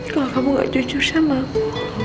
kalau kamu gak cucu sama aku